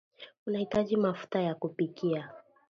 utahitaji mafuta ya kupikia